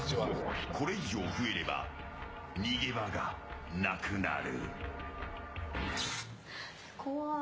これ以上、増えれば逃げ場がなくなる。